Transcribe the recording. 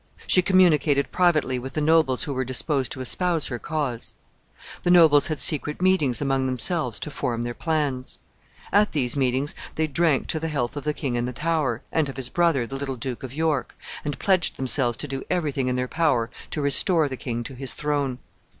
She communicated privately with the nobles who were disposed to espouse her cause. The nobles had secret meetings among themselves to form their plans. At these meetings they drank to the health of the king in the Tower, and of his brother, the little Duke of York, and pledged themselves to do every thing in their power to restore the king to his throne.